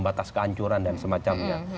batas kehancuran dan semacamnya